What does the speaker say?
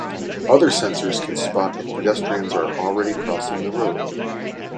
Other sensors can spot if pedestrians are already crossing the road.